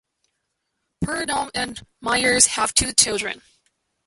Purdum and Myers have two children.